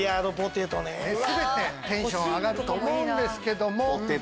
全てテンション上がると思うんですけども。